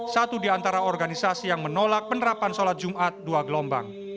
satu di antara organisasi yang menolak penerapan sholat jumat dua gelombang